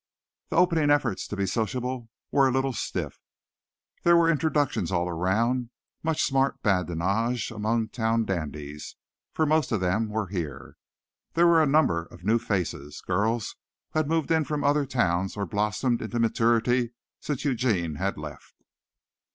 The opening efforts to be sociable were a little stiff. There were introductions all around, much smart badinage among town dandies, for most of them were here. There were a number of new faces girls who had moved in from other towns or blossomed into maturity since Eugene had left.